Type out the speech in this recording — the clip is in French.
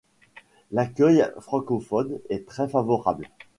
L'accueil francophone est très favorable.